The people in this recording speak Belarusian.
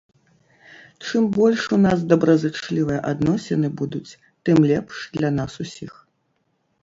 Чым больш у нас дабразычлівыя адносіны будуць, тым лепш для нас усіх.